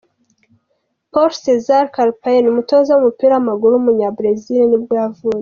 Paulo César Carpegiani, umutoza w’umupira w’amaguru w’umunya Brazil nibwo yavutse.